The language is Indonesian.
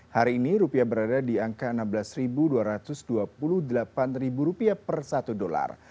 hari ini rupiah berada di angka enam belas dua ratus dua puluh delapan rupiah per satu dolar